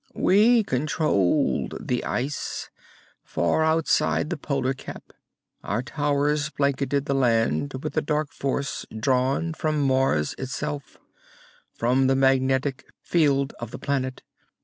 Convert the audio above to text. "We controlled the ice, far outside the polar cap. Our towers blanketed the land with the dark force drawn from Mars itself, from the magnetic field of the planet.